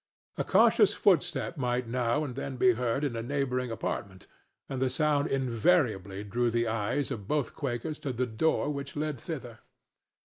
A cautious footstep might now and then be heard in a neighboring apartment, and the sound invariably drew the eyes of both Quakers to the door which led thither.